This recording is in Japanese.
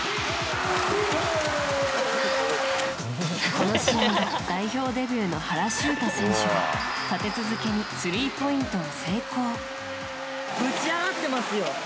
この試合代表デビューの原修太選手が立て続けにスリーポイントを成功。